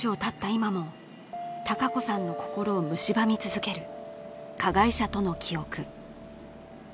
今もたかこさんの心をむしばみ続ける加害者との記憶